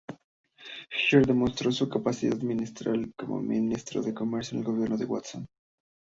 Fisher demostró su capacidad ministerial como Ministro de Comercio en el gobierno de Watson.